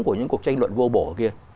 của những cuộc tranh luận vô bổ ở kia